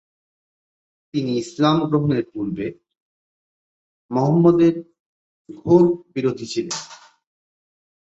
তিনি ইসলাম ধর্ম গ্রহণের পূর্বে মুহাম্মদের ঘোর বিরোধী ছিলেন।